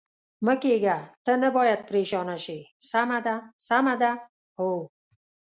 مه کېږه، ته نه باید پرېشانه شې، سمه ده، سمه ده؟ هو.